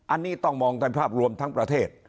อันนี้ต้องมองกันภาพรวมทั้งประเทศ